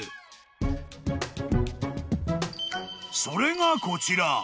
［それがこちら］